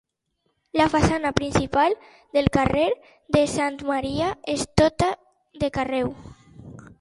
La façana principal del carrer de Sant Maria és tota de carreu.